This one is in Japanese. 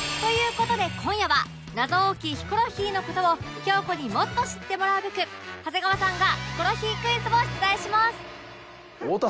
事で今夜は謎多きヒコロヒーの事を京子にもっと知ってもらうべく長谷川さんがヒコロヒークイズを出題します